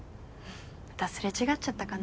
また擦れ違っちゃったかな。